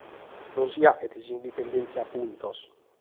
Non si faghet s’indipendèntzia a pùngios.